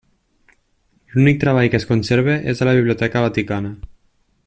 L'únic treball que es conserva és a la biblioteca Vaticana.